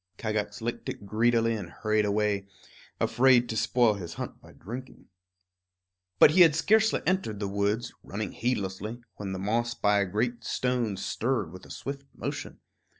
Kagax licked it greedily and hurried away, afraid to spoil his hunt by drinking. But he had scarcely entered the woods, running heedlessly, when the moss by a great stone stirred with a swift motion.